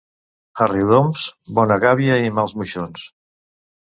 A Riudoms, bona gàbia i mals moixons.